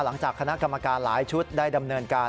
หลังจากคณะกรรมการหลายชุดได้ดำเนินการ